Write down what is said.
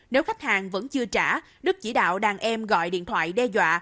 nếu khách hàng vẫn chưa trả đức chỉ đạo đàn em gọi điện thoại đe dọa